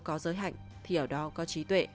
có giới hạnh thì ở đó có trí tuệ